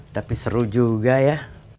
tapi seru juga ya